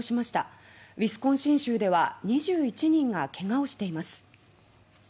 ウィスコンシン州では２１人がけがをしています。